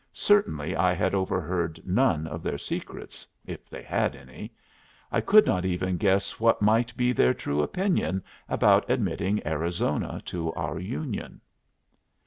Certainly I had overheard none of their secrets, if they had any; I could not even guess what might be their true opinion about admitting Arizona to our Union.